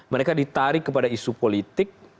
mereka ditarik kepada isu politik